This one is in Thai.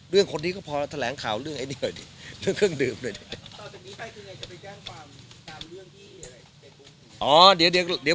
คนนี้ก็พอแถลงข่าวเรื่องไอ้นี่หน่อยดิเรื่องเครื่องดื่มหน่อย